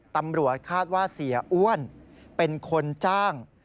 ตำรวจคาดว่าเสียอ้วนเป็นคนจ้าง